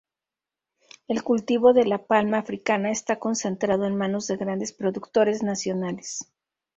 El cultivo de la Palma africana está concentrado en manos de grandes productores nacionales.